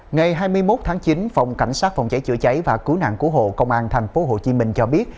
ngày hai mươi một tháng chín phòng cảnh sát phòng cháy chữa cháy và cứu nạn cứu hộ công an tp hcm cho biết